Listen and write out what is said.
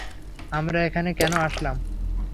আমরা এখানে কেন আসলাম?